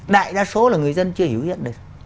đại đa số là người dân chưa hiểu hiện được